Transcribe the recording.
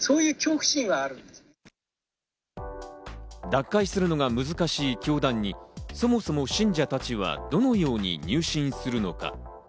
脱会するのが難しい教団にそもそも信者たちは、どのように入信するのか？